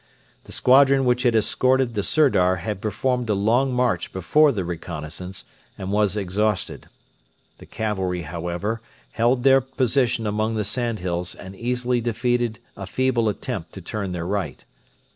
The squadron which had escorted the Sirdar had performed a long march before the reconnaissance and was exhausted. The cavalry, however, held their position among the sandhills and easily defeated a feeble attempt to turn their right.